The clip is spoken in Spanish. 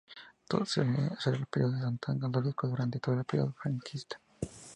Será el periódico católico durante todo el período franquista.